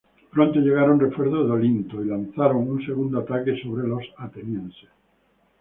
Pronto llegaron refuerzos de Olinto, y lanzaron un segundo ataque sobre los atenienses.